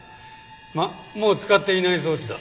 まあもう使っていない装置だ。